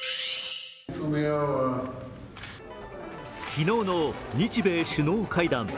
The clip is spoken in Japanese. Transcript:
昨日の日米首脳会談。